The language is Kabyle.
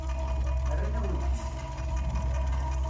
Rran-awen-t-id.